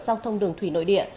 giao thông đường thủy nội địa